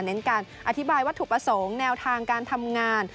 เน้นการอธิบายวัตถุประสงค์แนวทางการทำงาน